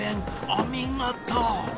お見事！